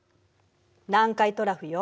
南海トラフよ。